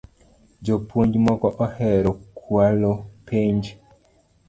Jopuonj moko ohero kualo penj